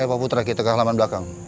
ayo pak putra kita ke halaman belakang ya